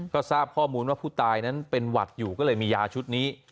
ก็ทราบข้อมูลว่าผู้ตายนั้นเป็นหวัดอยู่ก็เลยมียาชุดนี้